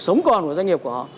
và sống còn của doanh nghiệp của họ